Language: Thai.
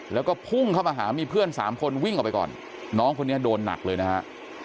แล้วก็พุ่งเข้ามาหามีเพื่อนสามคนวิ่งออกไปก่อนน้องคนนี้โดนหนักเลยนะฮะ